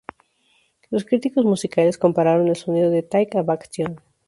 Los críticos musicales compararon el sonido de "Take a Vacation!